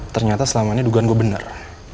ternyata selama ini dugaan gue benar